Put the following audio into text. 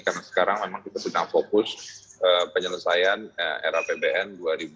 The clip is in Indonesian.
karena sekarang memang kita sedang fokus penyelesaian era pbn dua ribu dua puluh dua